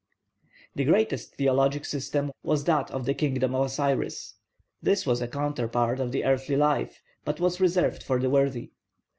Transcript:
The greatest theologic system was that of the kingdom of Osiris. This was a counterpart of the earthly life, but was reserved for the worthy.